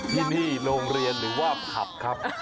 ที่นี่โรงเรียนหรือว่าผับครับ